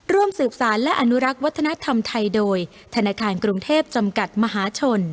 ร่วมสืบสารและอนุรักษ์วัฒนธรรมไทยโดยธนาคารกรุงเทพจำกัดมหาชน